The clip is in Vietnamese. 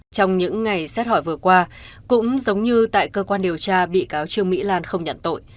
trong những ngày xét hỏi vừa qua cũng giống như tại cơ quan điều tra bị cáo trương mỹ lan không nhận tội